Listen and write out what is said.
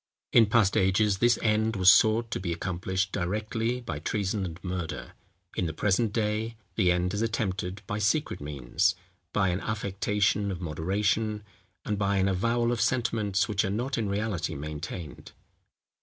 In past ages this end was sought to be accomplished directly by treason and murder; in the present day the end is attempted by secret means, by an affectation of moderation, and by an avowal of sentiments which are not in reality maintained.